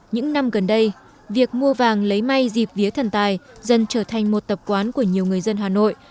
những năm gần đây việc mua vàng lấy may dịp vía thần tài dần trở thành một tập quán của nhiều người dân hà nội